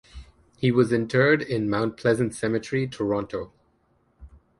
He was interred in Mount Pleasant Cemetery, Toronto.